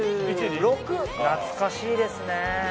懐かしいですね。